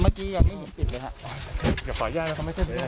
เมื่อกี้อันนี้เห็นปิดเลยฮะอย่าขออนุญาตนะครับไม่ใช่